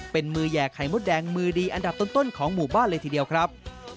เป็นมือแห่ไข่มดแดงมือดีอันดับต้นของหมู่บ้านเลยทีเดียวครับ